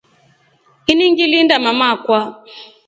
Ini ngilinda mama akwa.